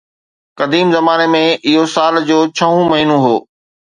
قديم زماني ۾ اهو سال جو ڇهون مهينو هو